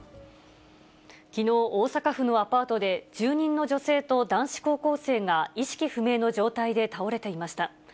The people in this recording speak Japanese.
きのう、大阪府のアパートで、住人の女性と男子高校生が、意識不明の状態で倒れていました。